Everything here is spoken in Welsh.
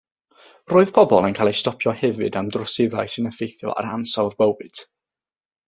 Roedd pobl yn cael eu stopio hefyd am droseddau sy'n effeithio ar ansawdd bywyd.